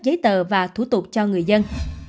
giấy tờ và thủ tục cho người dân